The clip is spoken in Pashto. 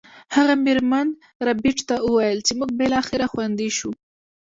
هغه میرمن ربیټ ته وویل چې موږ بالاخره خوندي شو